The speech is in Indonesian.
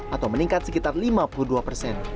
atau meningkat sekitar lima puluh dua persen